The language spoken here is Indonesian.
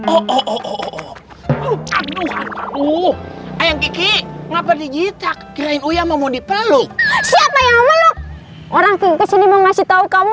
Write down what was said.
oh aduh uh ayam gigi ngapa dijitak kirain uya mau dipeluk orang kesini mau ngasih tahu kamu